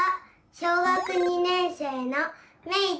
小学２年生のめいです。